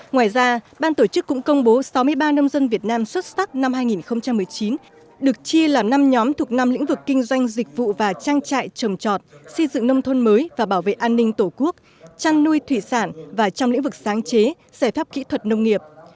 ngoài ra ban tổ chức cũng công bố sáu mươi ba nông dân việt nam xuất sắc năm hai nghìn một mươi chín được chia làm năm nhóm thuộc năm lĩnh vực kinh doanh dịch vụ và trang trại trầm trọt xây dựng nông thôn mới và bảo vệ an ninh tổ quốc chăn nuôi thủy sản và trong lĩnh vực sáng chế giải pháp kỹ thuật nông nghiệp